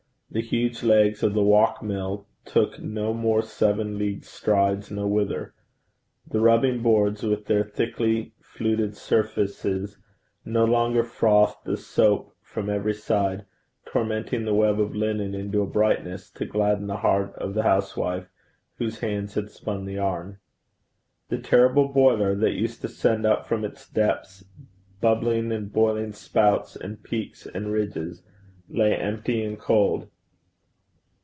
The huge legs of the wauk mill took no more seven leagued strides nowhither. The rubbing boards with their thickly fluted surfaces no longer frothed the soap from every side, tormenting the web of linen into a brightness to gladden the heart of the housewife whose hands had spun the yarn. The terrible boiler that used to send up from its depths bubbling and boiling spouts and peaks and ridges, lay empty and cold.